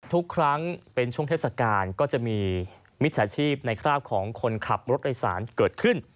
ทุกครั้งเป็นช่วงเทศกาลก็จะมีมิจฉาชีพในคราบของคนขับรถโดยสารเกิดขึ้น